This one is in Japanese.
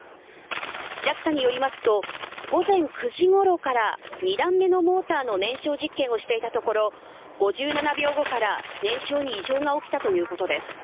ＪＡＸＡによりますと午前９時ごろから２段目のモーターの燃焼実験をしていたところ５７秒後から燃焼に異常が起きたということです。